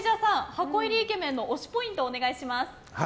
箱入りイケメンの推しポイントをお願いします。